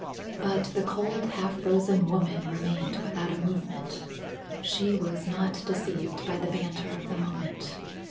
But the cold, half frozen woman remained without a movement. She was not deceived by the banter of the moment.